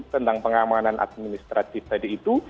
tentang pengamanan administratif tadi itu